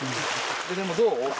でもどう？